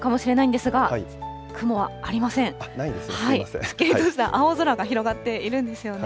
すっきりとした青空が広がっているんですよね。